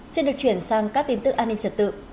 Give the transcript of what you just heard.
xin được chuyển sang các tin tức an ninh trật tự